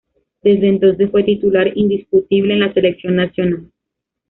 Desde entonces fue titular indiscutible en la selección nacional.